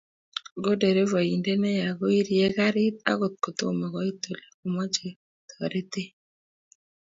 Ko derevaindet neya koirie karit akot kotomo koit ole kamache toretet